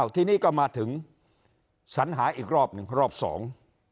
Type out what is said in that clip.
ทีนี้ก็มาถึงสัญหาอีกรอบหนึ่งรอบสอง